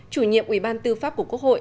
chủ nhiệm ủy ban tư pháp của quốc hội